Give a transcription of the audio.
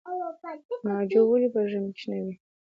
ناجو ولې په ژمي کې شنه وي؟